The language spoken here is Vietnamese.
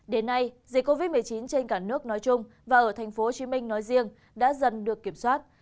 đến nay dịch covid một mươi chín trên cả nước nói chung và ở tp hcm nói riêng đã dần được kiểm soát